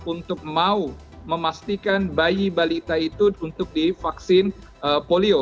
untuk mau memastikan bayi balita itu untuk divaksin polio